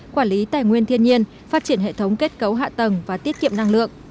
quản lý tài nguyên thiên nhiên phát triển hệ thống kết cấu hạ tầng và tiết kiệm năng lượng